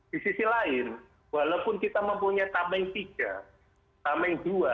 di sisi lain walaupun kita mempunyai tameng tiga tameng dua